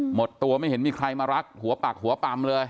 หมดตัวไม่เห็นมีใครมารักหัวปากหัวปำเลย